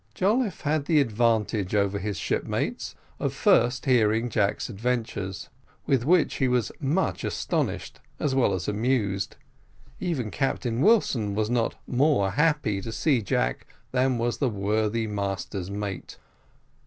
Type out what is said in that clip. Jolliffe had the advantage over his shipmates, of first hearing Jack's adventures, with which he was much astonished as well as amused even Captain Wilson was not more happy to see Jack than was the worthy master's mate.